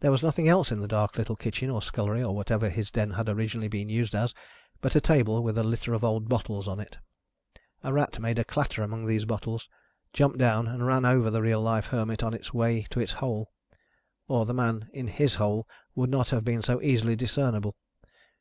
There was nothing else in the dark little kitchen, or scullery, or whatever his den had been originally used as, but a table with a litter of old bottles on it. A rat made a clatter among these bottles, jumped down, and ran over the real live Hermit on his way to his hole, or the man in his hole would not have been so easily discernible.